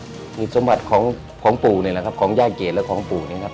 นี่ครับนี่สมบัติของปู่นี่แหละครับของย่างเกรษและของปู่นี่ครับ